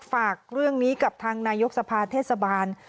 ฝากเรื่องนี้กับทางนายกสภาเทศบาล